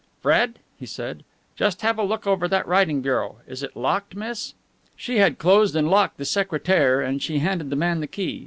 "Fred," he said, "just have a look over that writing bureau. Is it locked, miss?" She had closed and locked the secretaire and she handed the man the key.